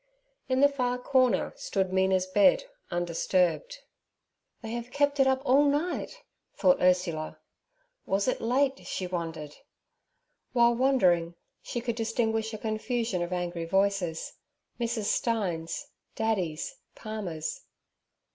In the far corner stood Mina's bed undisturbed. 'They have kept it up all night' thought Ursula. Was it late, she wondered? While wondering, she could distinguish a confusion of angry voices—Mrs. Stein's, Daddy's, Palmer's.